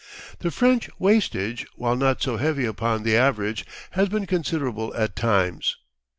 The French wastage, while not so heavy upon the average, has been considerable at times.